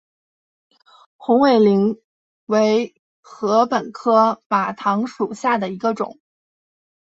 红尾翎为禾本科马唐属下的一个种。